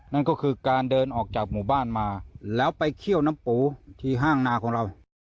นั่นก็คือการเดินออกจากหมู่บ้านมาแล้วไปเคี่ยวน้ำปูที่ห้างนาของเรา